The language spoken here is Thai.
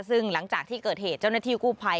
ซึ่งหลังจากที่เกิดเหตุเจ้าหน้าที่กู้ภัย